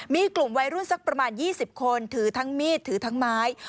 มีกลุ่มวัยรุ่นสักประมาณ๒๐คนถือทั้งมีดถือทั้งไม้